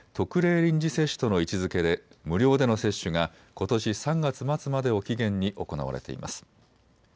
臨時接種との位置づけで無料での接種がことし３月末までを期限に行われています。